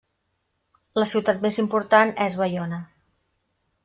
La ciutat més important és Baiona.